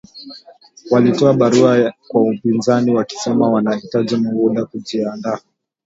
Walitoa barua kwa upinzani wakisema wanahitaji muda kujiandaa